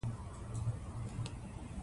هغه د معنوي مبارزې ژوند تیروي.